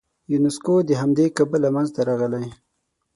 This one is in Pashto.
یونسکو د همدې کبله منځته راغلی.